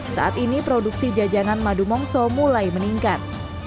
saat ini produksi jajanan madu mongso mulai meningkat